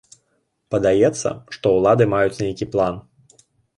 Падаецца, што ўлады маюць нейкі план.